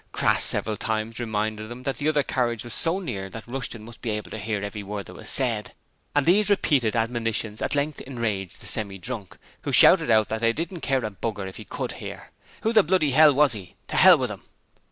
Crass several times reminded them that the other carriage was so near that Rushton must be able to hear every word that was said, and these repeated admonitions at length enraged the Semi drunk, who shouted out that they didn't care a b r if he could hear. Who the bloody hell was he? To hell with him!